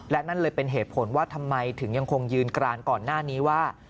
และนั่นเลยเป็นเหตุผลว่าทำไมถึงยังคงยืนกรานก่อนหน้านี้ว่า